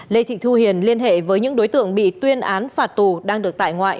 lê thị thu hiền liên hệ với những đối tượng bị tuyên án phạt tù đang được tại ngoại